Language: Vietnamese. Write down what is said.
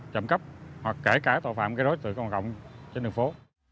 chậm cấp hoặc kể cả tội phạm gây rối tựa cộng cộng trên đường phố